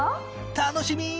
楽しみ！